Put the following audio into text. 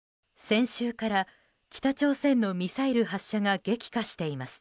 先週から北朝鮮のミサイル発射が激化しています。